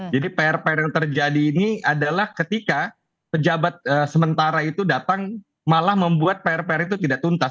jadi pr pr yang terjadi ini adalah ketika pejabat sementara itu datang malah membuat pr pr itu tidak tuntas